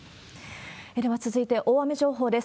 では続いて、大雨情報です。